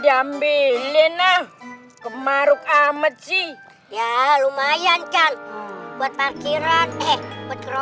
udah ambilin ah kemaruk amat sih ya lumayan calon buat parkiran eh